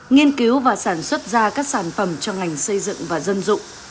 nghiên cứu và sản xuất ra các sản phẩm cho ngành xây dựng và dân dụng